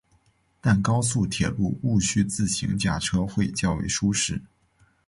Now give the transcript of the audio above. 但高速铁路毋须自行驾车会较为舒适。